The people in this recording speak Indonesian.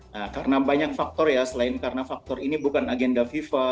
nah karena banyak faktor ya selain karena faktor ini bukan agenda fifa